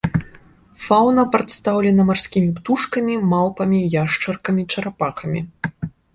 Фаўна прадстаўлена марскімі птушкамі, малпамі, яшчаркамі, чарапахамі.